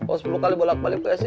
oh sepuluh kali bolak balik tuh ya sih